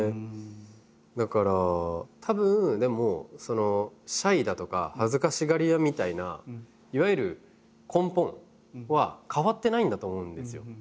だからたぶんでもシャイだとか恥ずかしがり屋みたいないわゆる根本は変わってないんだと思うんですよ。